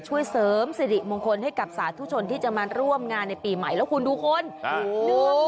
ช่วยเสริมสิริมงคลให้กับสาธุชนที่จะมาร่วมงานในปีใหม่แล้วคุณดูคนโอ้โห